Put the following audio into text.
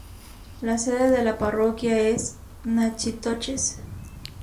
La sede de la parroquia es Natchitoches.